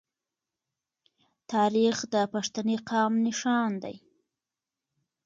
تاریخ د پښتني قام نښان دی.